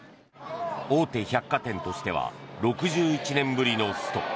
大手百貨店としては６１年ぶりのスト。